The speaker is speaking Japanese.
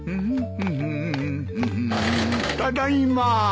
ただいま。